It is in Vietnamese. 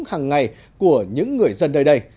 hằng ngày của những người dân nơi đây